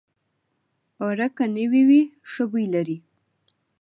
اوړه که نوي وي، ښه بوی لري